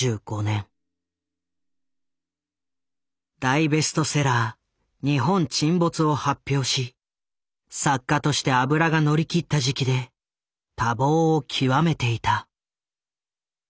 大ベストセラー「日本沈没」を発表し作家として脂が乗り切った時期で多忙を極めていた。